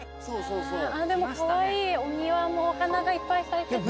でもカワイイお庭もお花がいっぱい咲いてて。